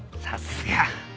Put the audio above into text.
さすが。